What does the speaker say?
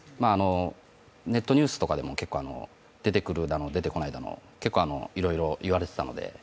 ネットニュースとかでも結構、出てくるだの出てこないだのいろいろ言われていたので。